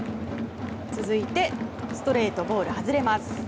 続いてストレートはボール外れます。